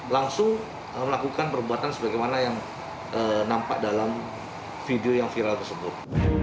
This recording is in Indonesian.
langsung melakukan perbuatan sebagaimana yang nampak dalam video yang viral tersebut